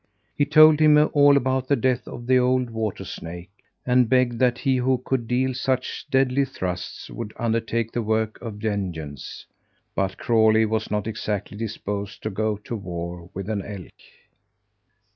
He told him all about the death of the old water snake, and begged that he who could deal such deadly thrusts would undertake the work of vengeance. But Crawlie was not exactly disposed to go to war with an elk.